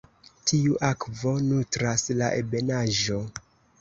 Tiu akvo nutras la ebenaĵo.